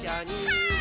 はい。